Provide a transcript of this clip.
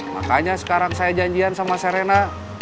makanya sekarang saya janjian sama serena